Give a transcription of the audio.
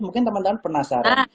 mungkin teman teman penasaran